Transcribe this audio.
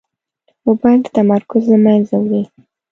موبایل د تمرکز له منځه وړي.